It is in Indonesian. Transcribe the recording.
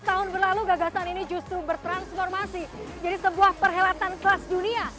dua tahun berlalu gagasan ini justru bertransformasi jadi sebuah perhelatan kelas dunia